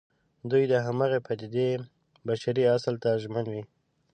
دوی د همغې پدېدې بشري اصل ته ژمن وي.